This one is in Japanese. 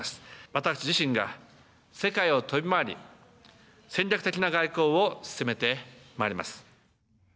私自身が世界を飛び回り、戦略的な外交を進めてまいります。